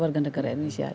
warga negara indonesia